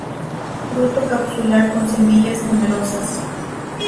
Fruto capsular con semillas numerosas.